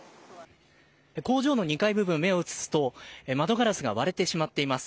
工場の２階部分に目を移すと窓ガラスが割れてしまっています。